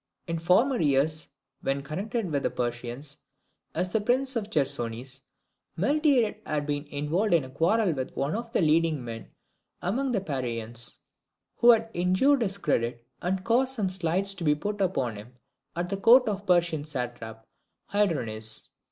In former years, while connected with the Persians as prince of the Chersonese, Miltiades had been involved in a quarrel with one of the leading men among the Parians, who had injured his credit and caused some slights to be put upon him at the court of the Persian satrap, Hydarnes.